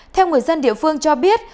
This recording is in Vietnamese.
theo người dân địa phương cho biết